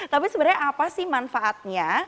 tapi sebenarnya apa sih manfaatnya